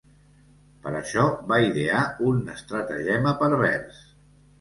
Per això va idear un estratagema pervers.